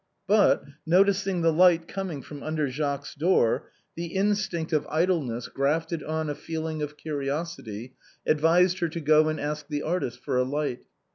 But, noticing the light coming from under Jacques's door, the instinct of idleness grafted on a feeling of curiosity advised her to go and ask the artist for a light.